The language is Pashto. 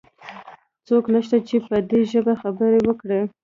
څوک نشته چې په دي ژبه خبرې وکړي؟